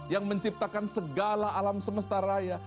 yang menciptakan segala alam semesta raya